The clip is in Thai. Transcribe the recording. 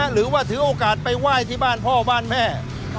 หรือว่าถือโอกาสไปไหว้ที่บ้านพ่อบ้านแม่